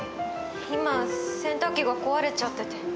今洗濯機が壊れちゃってて。